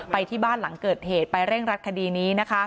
ไปที่บ้านหลังเกิดเหตุไปเร่งรัดคดีนี้